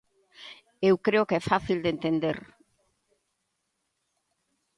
Eu creo que é fácil de entender.